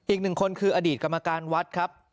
อีกหนึ่งคนคืออดีตกรรมการวัดครับ